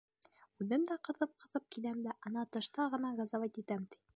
Үҙем дә, ҡыҫып-ҡыҫып киләм дә, ана тышта ғына газовать итәм, ти.